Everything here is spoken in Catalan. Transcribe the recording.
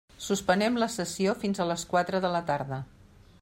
Suspenem la sessió fins a les quatre de la tarda.